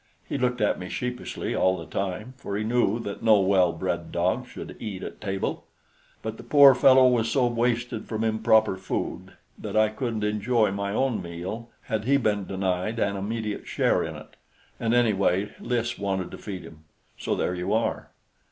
He looked at me sheepishly all the time, for he knew that no well bred dog should eat at table; but the poor fellow was so wasted from improper food that I couldn't enjoy my own meal had he been denied an immediate share in it; and anyway Lys wanted to feed him. So there you are.